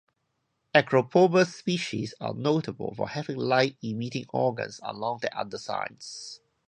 "Acropoma" species are notable for having light-emitting organs along their undersides.